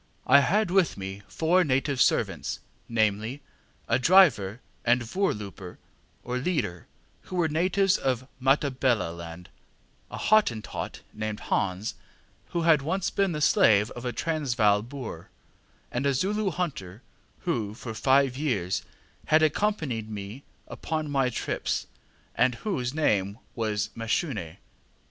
I had with me four native servants, namely, a driver and voorlooper, or leader, who were natives of Matabeleland, a Hottentot named Hans, who had once been the slave of a Transvaal Boer, and a Zulu hunter, who for five years had accompanied me upon my trips, and whose name was Mashune.